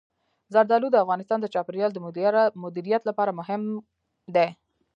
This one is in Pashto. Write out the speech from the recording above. زردالو د افغانستان د چاپیریال د مدیریت لپاره مهم دي.